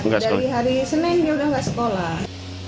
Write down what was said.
dari hari senin dia udah gak sekolah